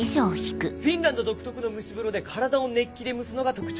「フィンランド独特の蒸し風呂で体を熱気で蒸すのが特徴」。